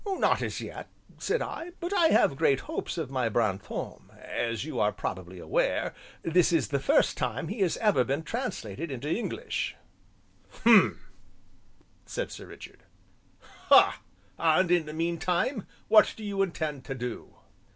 "Not as yet," said I, "but I have great hopes of my Brantome, as you are probably aware this is the first time he has ever been translated into the English." "Hum!" said Sir Richard, "ha! and in the meantime what do you intend to do?"